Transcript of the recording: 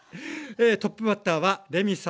トップバッターはレミさんからです。